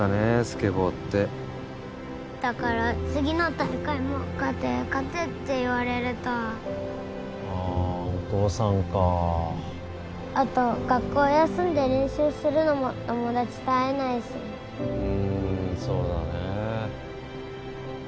スケボーってだから次の大会も勝て勝てって言われるとああお父さんかあと学校休んで練習するのも友達と会えないしうんそうだねえ